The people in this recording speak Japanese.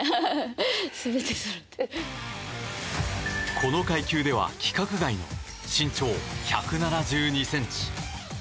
この階級では規格外の身長１７２ｃｍ。